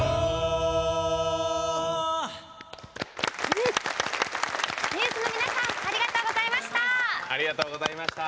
ＮＥＷＳ の皆さんありがとうございました。